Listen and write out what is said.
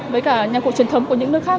với cả nhạc cụ truyền thống của những nước khác